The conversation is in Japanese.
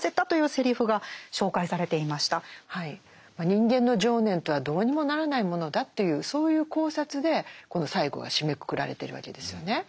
人間の情念とはどうにもならないものだというそういう考察でこの最後が締めくくられてるわけですよね。